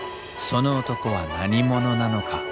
その男は何者なのか。